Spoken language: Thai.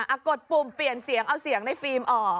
เอากดปุ่มเปลี่ยนเสียงเอาเสียงในฟิล์มออก